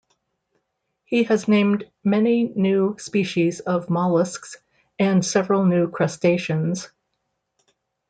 He has named many new species of molluscs and several new crustaceans.